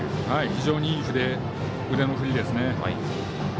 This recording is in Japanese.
非常にいい腕の振りですね。